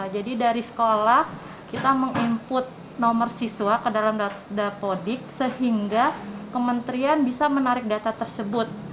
dari sekolah kita meng input nomor siswa ke dalam dapodik sehingga kementerian bisa menarik data tersebut